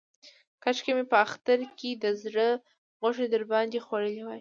کاشکې مې په اختر کې د زړه غوښې در باندې خوړلې وای.